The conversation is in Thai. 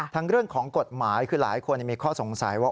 เรื่องของกฎหมายคือหลายคนมีข้อสงสัยว่า